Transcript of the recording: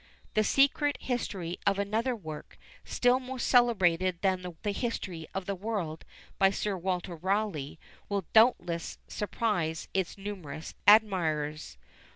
The secret history of another work, still more celebrated than the History of the World, by Sir Walter Rawleigh, will doubtless surprise its numerous admirers.